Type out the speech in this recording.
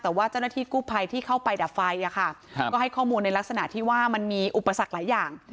แต่ว่าเจ้าหน้าที่กู้ภัยที่เข้าไปดับไฟก็ให้ข้อมูลในลักษณะที่ว่ามันมีอุปสรรคหลายอย่าง